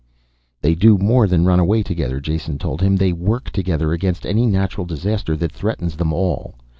"They do more than run away together," Jason told him. "They work together against any natural disaster that threatens them all.